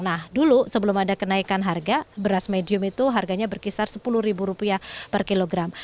nah dulu sebelum ada kenaikan harga beras medium itu harganya berkisar sepuluh rupiah per kilogram